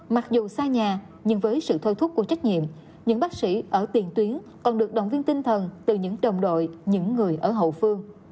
mặc dù xa nhà nhưng với sự thôi thúc của trách nhiệm những bác sĩ ở tiền tuyến còn được động viên tinh thần từ những đồng đội những người ở hậu phương